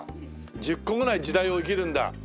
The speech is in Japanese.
１０個ぐらい時代を生きるんだ。